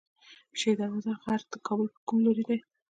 شیر دروازه غر د کابل په کوم لوري دی؟